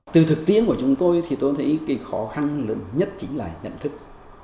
từ thực tiễn của chúng tôi thì tôi thấy cái khó khăn lớn nhất chính là nhận thức